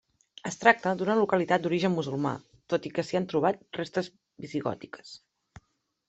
Es tracta d'una localitat d'origen musulmà, tot i que s'hi han trobat restes visigòtiques.